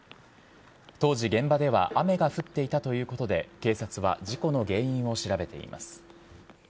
当時、現場では雨が降っていたということで、警察は事故の原因を調べています。